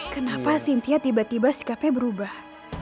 kenapa sintia tiba tiba sikapnya berubah